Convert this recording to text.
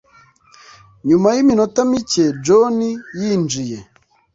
Nyuma yiminota mike John yinjiye.